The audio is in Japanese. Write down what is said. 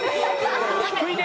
低いね！